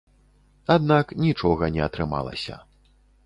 Аднак нічога не атрымалася.